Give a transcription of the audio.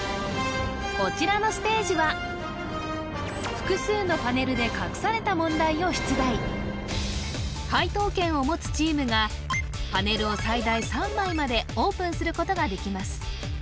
こちらのステージは複数のパネルで隠された問題を出題解答権を持つチームがパネルを最大３枚までオープンすることができます